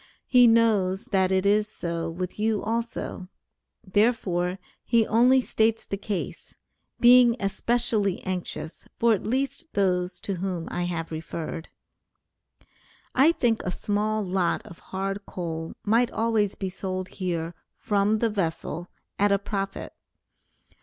He knows that it is so with you also, therefore, he only states the case, being especially anxious for at least those to whom I have referred. [Illustration: MARIA WEEMS ESCAPING IN MALE ATTIRE] I think a small lot of hard coal might always be sold here from the vessel at a profit.